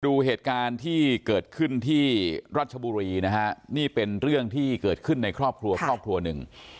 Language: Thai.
ดูเหตุการณ์ที่เกิดขึ้นที่รัชบุรีนะฮะนี่เป็นเรื่องที่เกิดขึ้นในครอบครัวครอบครัวหนึ่ง